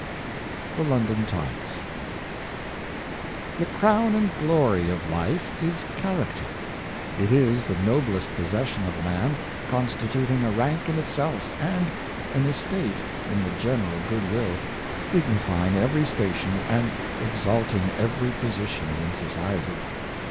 — TAe London Times HE crown and glory of life is Character. It is the noblest possession of a man, constituting a rank in itself, and an estate in the general good will; dignifying every station, and exalting every position in society.